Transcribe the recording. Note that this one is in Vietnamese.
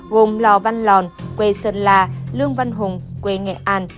gồm lò văn lòn quê sơn la lương văn hùng quê nghệ an